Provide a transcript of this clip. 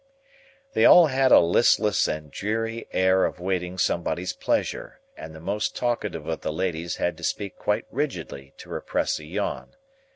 They all had a listless and dreary air of waiting somebody's pleasure, and the most talkative of the ladies had to speak quite rigidly to repress a yawn.